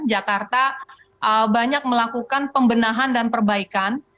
jakarta banyak melakukan pembenahan dan perbaikan